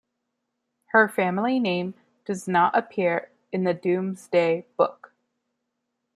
Her family name does not appear in the Domesday Book.